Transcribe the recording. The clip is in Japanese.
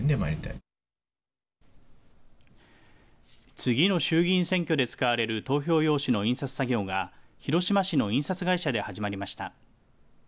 次の衆議院選挙で使われる投票用紙の印刷作業が広島市の印刷会社で始まりました。